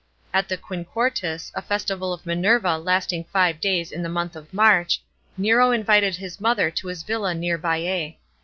At the Quinquatrus, a festival of Minerva lasting five days in the month of March, Nero incited his mother to his villa near Baias.